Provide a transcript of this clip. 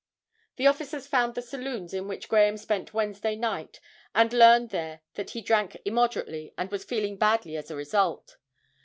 The officers found the saloons in which Graham spent Wednesday night, and learned there that he drank immoderately, and was feeling badly as a result.